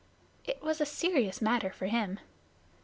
It was a serious matter for him.